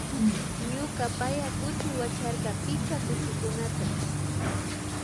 Ñuka paya kuchi wacharka picha kuchikukunata